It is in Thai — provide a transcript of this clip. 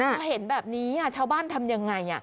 ถ้าเห็นแบบนี้ชาวบ้านทำอย่างไร